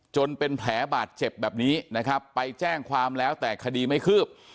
จนเป็นแผลบาดเจ็บแบบนี้นะครับไปแจ้งความแล้วแต่คดีไม่คืบ